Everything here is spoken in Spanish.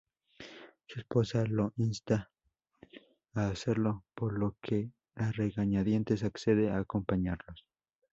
Su esposa lo insta a hacerlo, por lo que a regañadientes accede a acompañarlos.